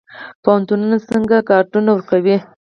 پوهنتونونه څنګه کادرونه ورکوي؟